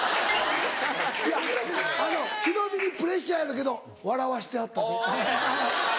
いやあのヒロミにプレッシャーやろうけど笑わしてはったで。